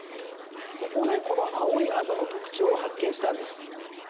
そこで、この青いあざの特徴を発見したんです。